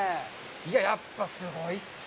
いや、やっぱすごいっすねえ。